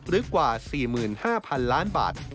หรือกว่า๔๕๐๐๐ล้านบาท